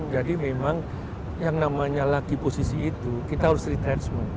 jadi memang yang namanya lagi posisi itu kita harus retrenchment